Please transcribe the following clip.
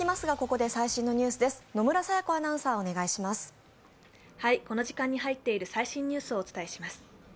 この時間に入っている最新ニュースをお伝えします。